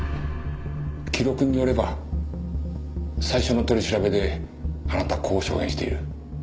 記録によれば最初の取り調べであなたこう証言している。